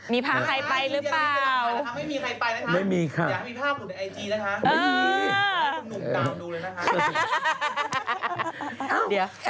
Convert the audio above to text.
มีพาใครไปหรือเปล่าไม่มีค่ะ